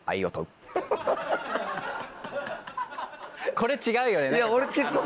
これ違うよね？